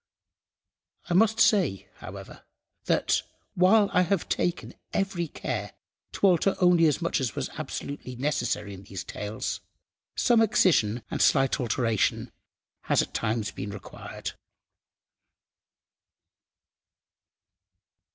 I must say, however, that, while I have taken every care to alter only as much as was absolutely necessary in these tales, some excision and slight alteration has at times been required.